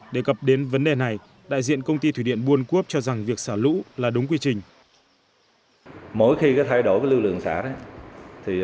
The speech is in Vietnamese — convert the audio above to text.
để gặp đến vấn đề này đại diện công ty thủy điện buôn cốp cho rằng việc xả lũ là đúng quy trình